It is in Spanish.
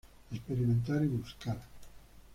Experimentar y buscar.